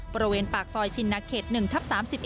บริเวณปากซอยชินนาเขต๑ทับ๓๑